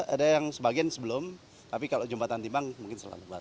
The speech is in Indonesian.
ya ada yang sebagian sebelum tapi kalau jembatan timbang mungkin setelah lebaran